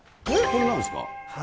これなんですか。